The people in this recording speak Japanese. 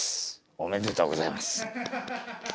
おめでとうございます。